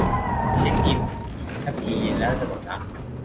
เช็กอินสักทีแล้วจะหลงรัก